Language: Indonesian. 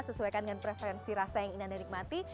sesuaikan dengan preferensi rasa yang ingin anda nikmati